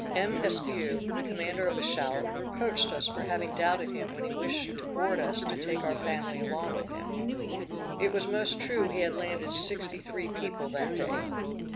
M. Espiau, commander of the shallop, reproached us for having doubted him when he wished to board us to take our family along with him. It was most true he had landed sixty three people that day.